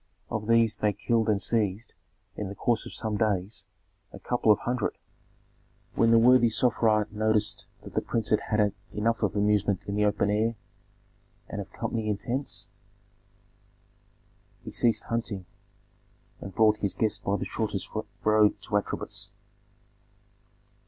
Of these they killed and seized, in the course of some days, a couple of hundred. When the worthy Sofra noticed that the prince had had enough of amusement in the open air and of company intents, he ceased hunting and brought his guest by the shortest road to Atribis.